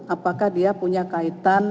apakah dia punya kaitan